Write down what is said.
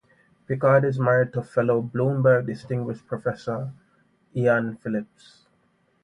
Pickard is married to fellow Bloomberg Distinguished Professor Ian Phillips.